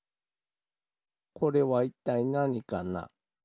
これはいったいなにかな？